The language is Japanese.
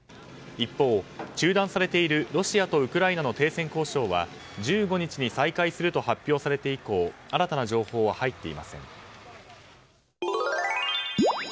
一方、中断されているロシアとウクライナの停戦交渉は１５日に再開すると発表されて以降新たな情報は入っていません。